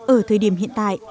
ở thời điểm hiện tại